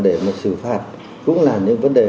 để một xử phạt cũng là những vấn đề